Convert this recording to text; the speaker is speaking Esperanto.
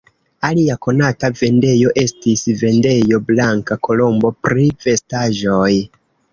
Alia konata vendejo estis vendejo Blanka Kolombo pri vestaĵoj.